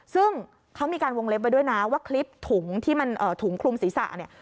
ซึ่งเขามีการวงเล็บไว้ด้วยนะว่าคลิปถุงที่มันถุงคลุมศีรษะเนี่ย